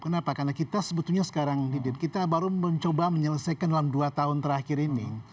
kenapa karena kita sebetulnya sekarang kita baru mencoba menyelesaikan dalam dua tahun terakhir ini